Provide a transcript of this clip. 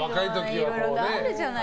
いろいろあるじゃない。